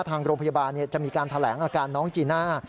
ทางโรงพยาบาลเต็มผีกันแทฬะอาการน้องจีนหน้า